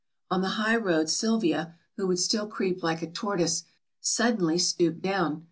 On the high road Sylvia, who would still creep like a tortoise, suddenly stooped down.